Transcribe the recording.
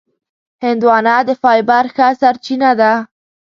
هندوانه د فایبر ښه سرچینه ده.